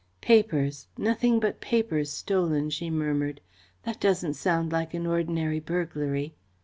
"Papers nothing but papers stolen," she murmured. "That doesn't sound like an ordinary burglary."